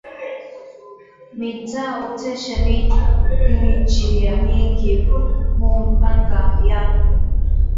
Mita otesha michi ya mingi mu mpango yangu